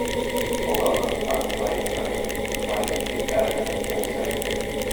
Below them are the vice president, the vice chief editor, and the secretary.